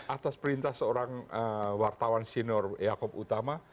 atas perintah seorang wartawan senior yaakob utama